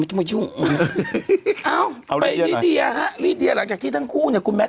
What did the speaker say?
คือคือคือคือคือคือคือ